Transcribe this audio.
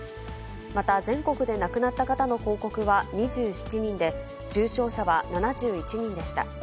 また全国で亡くなった方の報告は２７人で、重症者は７１人でした。